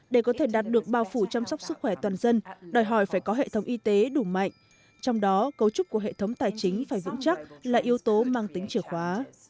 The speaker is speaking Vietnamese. để có thể đạt được bao phủ chăm sóc sức khỏe toàn dân đòi hỏi phải có hệ thống y tế đủ mạnh trong đó cấu trúc của hệ thống tài chính phải vững chắc là yếu tố mang tính chìa khóa